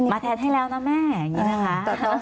แทนให้แล้วนะแม่อย่างนี้นะคะ